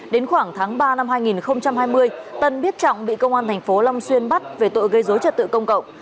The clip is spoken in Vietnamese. đến khoảng tháng ba năm hai nghìn hai mươi tân biết trọng bị công an thành phố long xuyên bắt về tội gây dối trật tự công cộng